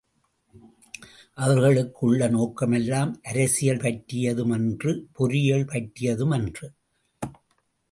அவர்களுக்கு உள்ள நோக்கமெல்லாம் அரசியல் பற்றியது மன்று பொருளியல் பற்றியது மன்று.